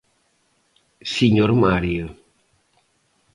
Señor Mario.